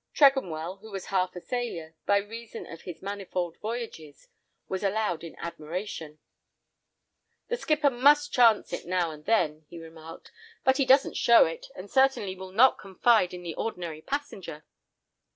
Tregonwell, who was half a sailor, by reason of his manifold voyages, was loud in admiration. "The skipper must chance it, now and then," he remarked, "but he doesn't show it, and certainly will not confide in the ordinary passenger."